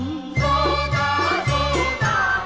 dô ta dô ta dô ta